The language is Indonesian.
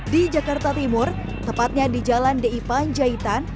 di jakarta timur tepatnya di jalan deipan jaitan